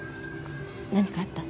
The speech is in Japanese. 何かあった？